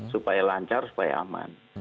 supaya lancar supaya aman